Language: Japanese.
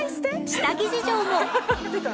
下着事情も！